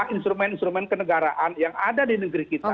instrumen instrumen kenegaraan yang ada di negeri kita